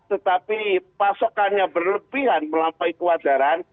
tetapi pasokannya berlebihan melampaui kewadaran